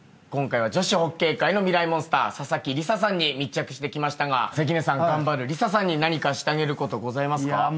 今回は女子ホッケー界のミライ☆モンスター佐々木里紗さんに密着してきましたが関根さん頑張る里紗さんに何かしてあげることありますか？